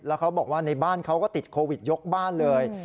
แล้วเขาบอกว่าในบ้านเขาก็ติดโควิดยกบ้านเลย